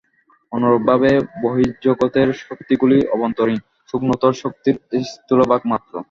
অনুরূপভাবে বহির্জগতের শক্তিগুলি অভ্যন্তরীণ সূক্ষ্মতর শক্তির স্থূলভাগ মাত্র।